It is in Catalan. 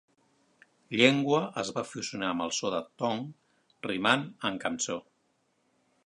"Llengua" es va fusionar amb el so de "tong", rimant amb "cançó".